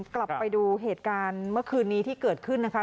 กลับไปดูเหตุการณ์เมื่อคืนนี้ที่เกิดขึ้นนะคะ